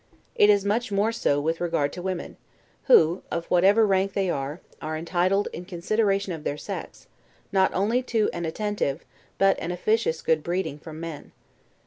It is much more so with regard to women; who, of whatever rank they are, are entitled, in consideration of their sex, not only to an attentive, but an officious good breeding from men.